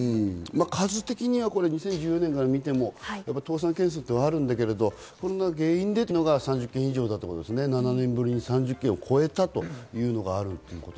数的には２０１０年から見ても倒産件数あるんだけれども、原因でというのが３１件と７年ぶりに３０件を超えたというのがある。